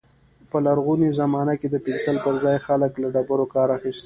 په لرغوني زمانه کې د پنسل پر ځای خلک له ډبرو کار اخيست.